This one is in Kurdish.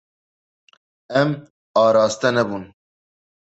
Em araste nebûn.